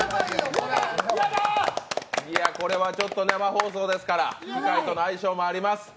これは生放送ですから機械との相性もあります。